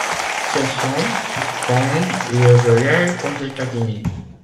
C'est Schempp qui prend le relais aux États-Unis.